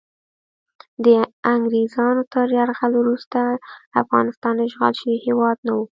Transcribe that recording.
د انګریزانو تر یرغل وروسته افغانستان اشغال شوی هیواد نه و.